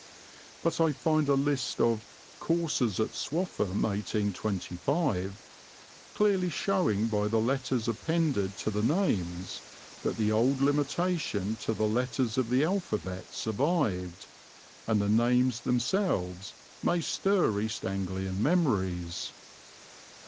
But I find a list of "Coursers at Swaffham 1825," clearly showing by the letters appended to the names that the old limitation to the letters of the alphabet survived, and the names themselves may stir East Anglian memories.